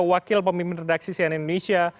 wakil pemimpin redaksi sian indonesia